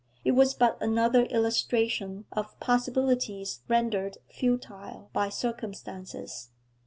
It was but another illustration of possibilities rendered futile by circumstances.